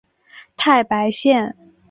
太白线